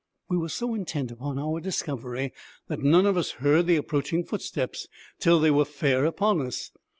We were so intent upon our discovery that none of us heard the approaching footsteps till they were fair upon us.